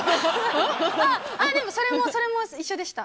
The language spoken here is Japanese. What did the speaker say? あっ、でもそれも、それも一緒でした。